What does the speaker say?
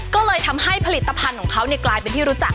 ก็เลยทำให้ผลิตภัณฑ์ของเขากลายเป็นที่รู้จัก